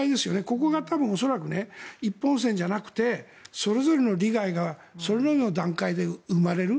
ここが多分、恐らく一本線じゃなくてそれぞれの利害がそれぞれの段階で生まれる。